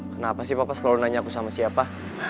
kenapa sih papa selalu nanya aku sama siapa